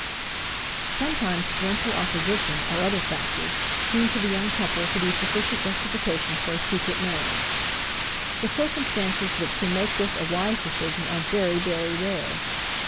Sometimes parental opposition, or other factors, seem to the young couple to be sufficient justification for a secret marriage. The circumstances which can make this a wise decision are very, very rare.